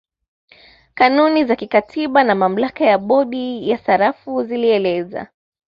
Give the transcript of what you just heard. Kanuni za kikatiba na mamlaka ya bodi ya sarafu zilieleza